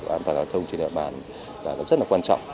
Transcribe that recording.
an toàn đoàn thông trên đoạn bàn rất là quan trọng